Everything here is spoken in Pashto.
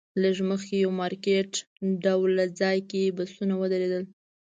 لږ مخکې یو مارکیټ ډوله ځای کې بسونه ودرېدل.